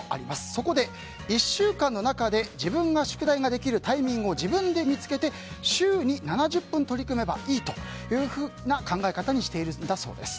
そこで１週間の中で自分が宿題ができるタイミングを自分で見つけて週に７０分取り組めばいいという考え方にしているんだそうです。